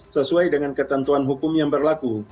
sesuai dengan ketentuan hukum yang berlaku